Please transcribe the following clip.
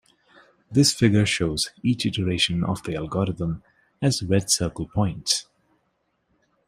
This figure shows each iteration of the algorithm as red circle points.